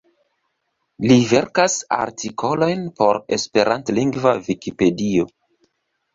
Li verkas artikolojn por esperantlingva Vikipedio.